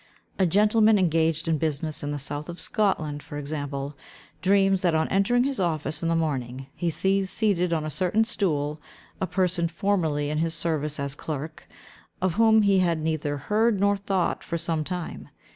A gentleman engaged in business in the south of Scotland, for example, dreams that on entering his office in the morning, he sees seated on a certain stool a person formerly in his service as clerk, of whom he had neither heard nor thought for some time.